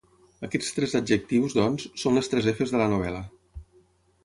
Aquests tres adjectius, doncs, són les tres efes de la novel·la.